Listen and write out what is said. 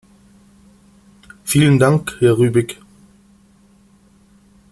Vielen Dank, Herr Rübig.